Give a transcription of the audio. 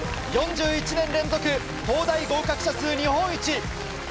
４１年連続東大合格者数日本一。